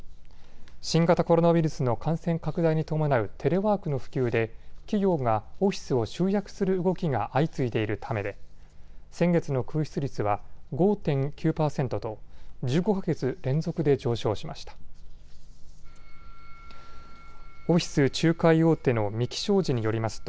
新型コロナウイルスの感染拡大に伴うテレワークの普及で企業がオフィスを集約する動きが相次いでいるためで先月の空室率は５．９％と１５か月連続で上昇しました。